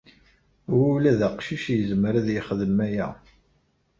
Ula d aqcic yezmer ad yexdem aya.